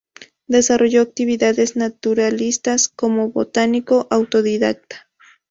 Desarrolló actividades naturalistas como botánico autodidacta.